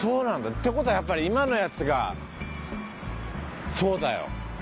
って事はやっぱり今のやつがそうだよ。